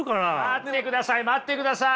・待ってください待ってください！